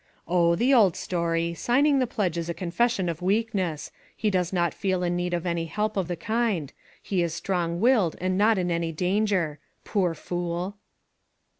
" Oh ! the old story. Signing the pledge is a confession of weakness. He does not feel in need of any help of the kind ; he is strong willed and not in any danger. Poor fool!"